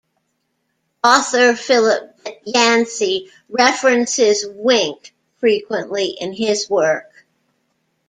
Author Philip Yancey references Wink frequently in his work.